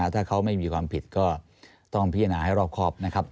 ถ้าเขาไม่มีความผิดก็ต้องพิจารณาให้รอบครอบนะครับ